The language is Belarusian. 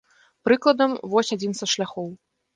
Прыкладам, вось адзін са шляхоў.